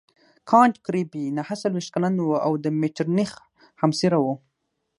کانت ګریفي نهه څلوېښت کلن وو او د مټرنیخ همعصره وو.